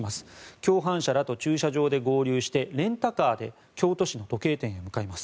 共犯者らと駐車場で合流してレンタカーで京都市の時計店へ向かいます。